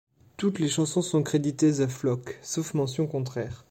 Toutes les chansons sont créditées The Flock, sauf mention contraire.